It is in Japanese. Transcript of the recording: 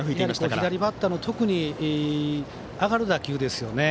左バッターの特に上がる打球ですね。